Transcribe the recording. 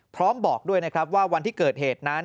พร้อมบอกด้วยว่าวันที่เกิดเหตุนั้น